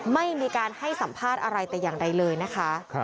ไม่มีการให้สัมภาษณ์อะไรแต่อย่างใดเลยนะคะ